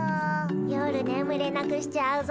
夜ねむれなくしちゃうぞ。